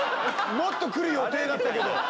もっと来る予定だったけど。